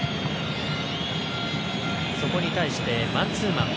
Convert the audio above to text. そこに対してマンツーマン。